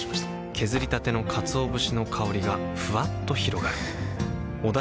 削りたてのかつお節の香りがふわっと広がるはぁ。